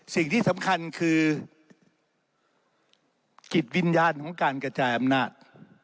สิ่งที่สำคัญคือจิตวิญญาณของการกระจายอำนาจ